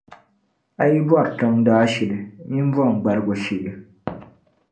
A yi bɔri tiŋa daashili nyin bomi gbarigu shee